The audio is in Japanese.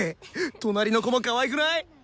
隣の子もかわいくない？